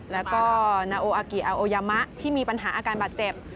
แล้วก็นาโออากิอาโอยามะที่มีปัญหาอาการบาดเจ็บ